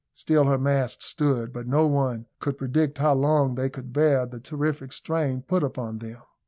Still her masts stood, but no one could predict how long they could bear the terrific strain put upon them.